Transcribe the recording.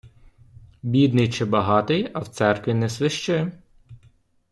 Бідний чи богатий, а в церкві не свищи.